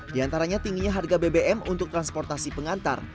diantaranya tingginya harga bbm untuk transportasi pengantar